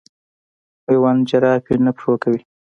مېوند جراپي نه په پښو کوي.